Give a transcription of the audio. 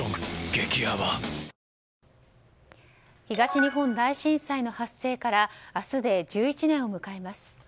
東日本大震災の発生から明日で１１年を迎えます。